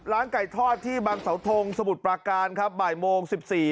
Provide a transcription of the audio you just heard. ไก่ทอดที่บางเสาทงสมุทรปราการครับบ่ายโมง๑๔